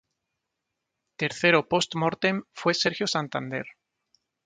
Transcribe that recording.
Tercero "Post Mortem" fue Sergio Santander.